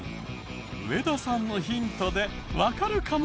上田さんのヒントでわかるかも。